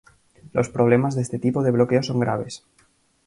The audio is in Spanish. Los problemas de este tipo de bloqueo son graves.